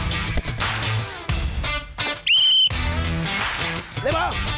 ได้ป่ะ